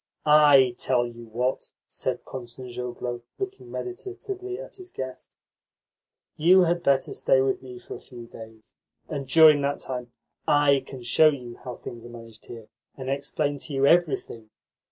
"I tell you what," said Kostanzhoglo, looking meditatively at his guest. "You had better stay with me for a few days, and during that time I can show you how things are managed here, and explain to you everything.